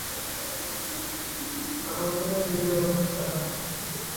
আপনিও নিন না চা।